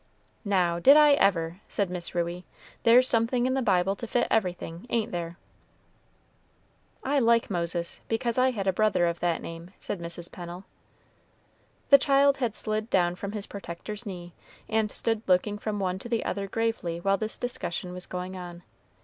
"Now, did I ever!" said Miss Ruey; "there's something in the Bible to fit everything, ain't there?" "I like Moses, because I had a brother of that name," said Mrs. Pennel. The child had slid down from his protector's knee, and stood looking from one to the other gravely while this discussion was going on.